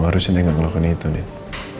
harusnya dia gak ngelakuin itu deh